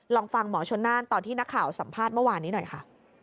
ลองฟังหมอชนน่านตอนที่นักข่าวสัมภาษณ์เมื่อวานนี้หน่อยค่ะ